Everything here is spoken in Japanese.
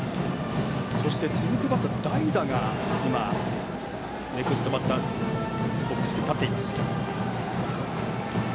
続くバッター、代打がネクストバッターズボックスに立っています。